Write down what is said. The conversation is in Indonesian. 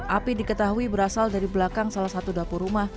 api diketahui berasal dari belakang salah satu dapur rumah